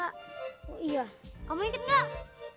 oh iya kamu ikut gak